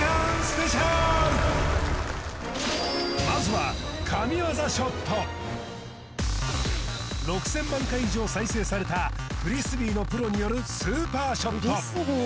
まずは神業ショット６０００万回以上再生されたフリスビーのプロによるスーパーショット